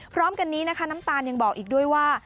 พร้อมกันนี้นะคะน้ำตาลยังบอกอีกด้วยว่า